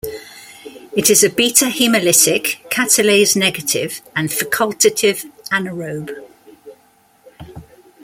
It is a beta-hemolytic, catalase-negative, and facultative anaerobe.